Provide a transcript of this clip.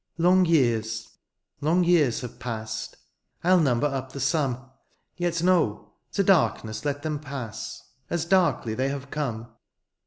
Long years, long years have passed, I'll number up the sum ; Yet no, to darkness let them pass, As darkly they have come.